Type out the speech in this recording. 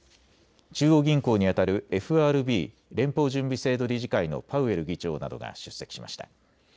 中央銀行にあたるＦＲＢ・連邦準備制度理事会のパウエル議長などが出席しました。